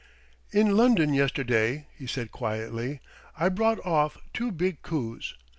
"In London, yesterday," he said quietly, "I brought off two big coups.